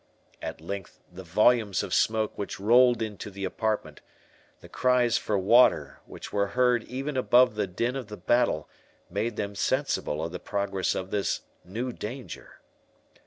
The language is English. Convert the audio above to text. At length the volumes of smoke which rolled into the apartment—the cries for water, which were heard even above the din of the battle made them sensible of the progress of this new danger.